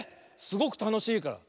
すごくたのしいから。